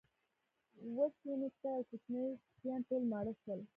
اوس یې نو سپۍ او کوچني سپیان ټول ماړه شول.